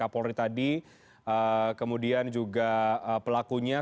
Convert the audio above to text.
kapolri tadi kemudian juga pelakunya